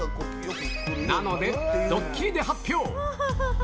なので、ドッキリで発表。